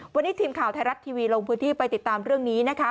วันนี้ทีมข่าวไทยรัฐทีวีลงพื้นที่ไปติดตามเรื่องนี้นะคะ